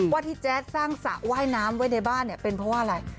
ว่าที่แจ๊ดสร้างสระว่ายน้ำไว้ในบ้านเนี่ยเป็นเพราะว่าอะไร